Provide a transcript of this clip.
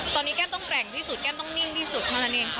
ตอนนี้แก้มต้องแกร่งที่สุดแก้มต้องนิ่งที่สุดเท่านั้นเองค่ะ